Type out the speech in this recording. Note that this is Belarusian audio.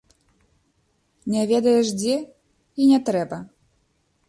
Не ведаеш дзе, і не трэба!